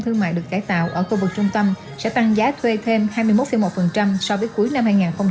tài tạo ở khu vực trung tâm sẽ tăng giá thuê thêm hai mươi một một so với cuối năm hai nghìn hai mươi một